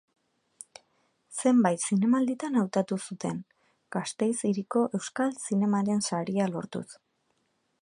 Zenbait zinemalditan hautatu zuten, Gasteiz Hiriko Euskal Zinemaren Saria lortuz.